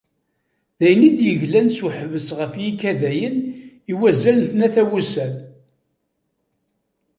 Dayen i d-yeglan s uḥbas ɣef yikayaden i wazal n tlata wussan.